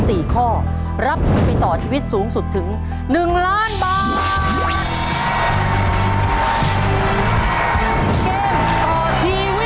สี่ข้อรับผู้มีต่อชีวิตสูงสุดถึง๑ล้านบาท